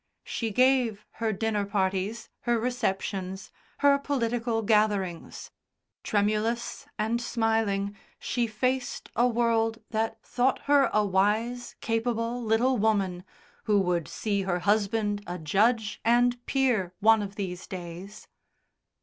She gave her dinner parties, her receptions, her political gatherings tremulous and smiling she faced a world that thought her a wise, capable little woman, who would see her husband a judge and peer one of these days.